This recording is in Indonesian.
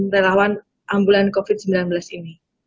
relawan ambulan covid sembilan belas ini